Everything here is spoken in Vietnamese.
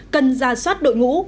cần ra soát đội ngũ